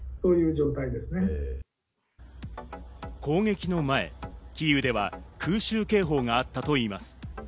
攻撃の前、キーウでは空襲警報があったといいます。